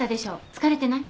疲れてない？